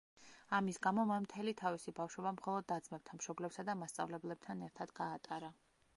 ამის გამო, მან მთელი თავისი ბავშვობა მხოლოდ და-ძმებთან, მშობლებსა და მასწავლებლებთან ერთად გაატარა.